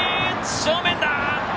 正面だ！